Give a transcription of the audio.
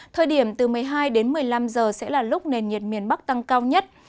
thời điểm từ một mươi hai đến một mươi năm giờ sẽ là lúc nền nhiệt miền bắc tăng cao nhất